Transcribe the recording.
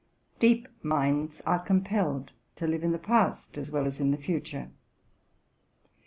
Deep minds are compelled to live in the past as well as in the future.